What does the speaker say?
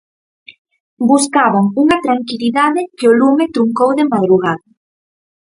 Buscaban unha tranquilidade que o lume truncou de madrugada.